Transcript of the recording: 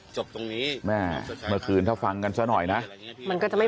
จบตรงนี้แม่เมื่อคืนถ้าฟังกันซะหน่อยนะมันก็จะไม่